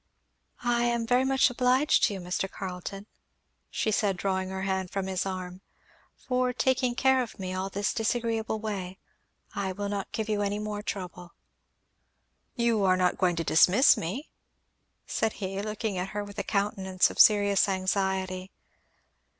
"I am very much obliged to you, Mr. Carleton," she said drawing her hand from his arm, "for taking care of me all this disagreeable way I will not give you any more trouble." "You are not going to dismiss me?" said he looking at her with a countenance of serious anxiety.